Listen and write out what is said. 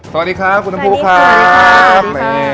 สวัสดีครับคุณภูครับ